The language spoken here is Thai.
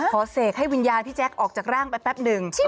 เสกให้วิญญาณพี่แจ๊คออกจากร่างไปแป๊บหนึ่ง